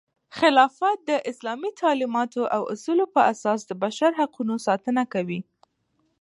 خلافت د اسلامي تعلیماتو او اصولو پراساس د بشر حقونو ساتنه کوي.